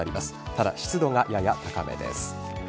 ただ、湿度がやや高めです。